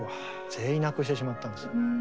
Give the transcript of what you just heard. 全員亡くしてしまったんですよ。